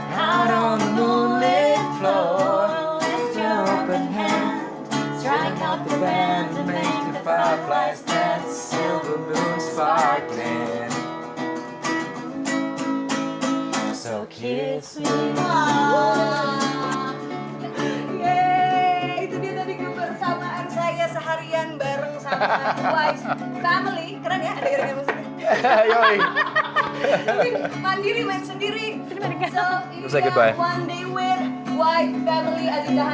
ya itu dia tadi kebersamaan saya seharian bareng sama family